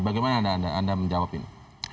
bagaimana anda menjawab ini